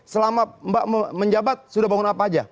selama mbak menjabat sudah bangun apa aja